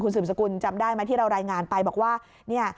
สืบสกุลจำได้ไหมที่เรารายงานไปบอกว่าเนี่ย